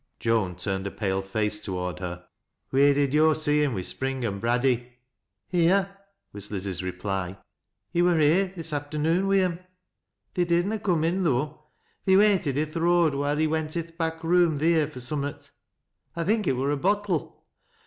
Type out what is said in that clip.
Joan turned a pale face toward her. " Wheer did yo' see liim wi' Spring an' Braddy ?"" Here," was Liz's reply. " He wur here this afternoon wi' em. They did na coom in, though, — they waited i' th' road, wluLt he went i' th' back room theer fur summal. 1 thinlj it wur a bottle.